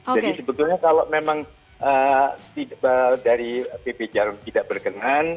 jadi sebetulnya kalau memang dari pp jarum tidak berkenan